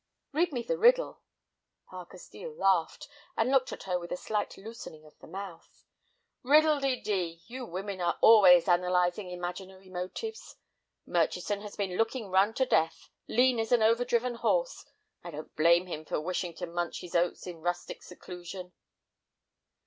"Read me the riddle." Parker Steel laughed, and looked at her with a slight loosening of the mouth. "Riddle de dee! You women are always analyzing imaginary motives. Murchison has been looking run to death, lean as an overdriven horse. I don't blame him for wishing to munch his oats in rustic seclusion."